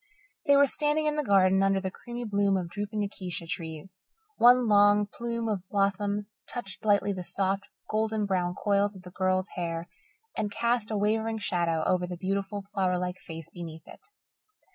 They were standing in the garden under the creamy bloom of drooping acacia trees. One long plume of blossoms touched lightly the soft, golden brown coils of the girl's hair and cast a wavering shadow over the beautiful, flower like face beneath it.